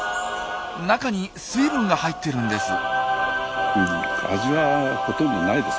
中に水分が入っているんです。